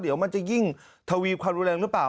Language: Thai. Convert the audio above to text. เดี๋ยวมันจะยิ่งทวีความรุนแรงหรือเปล่า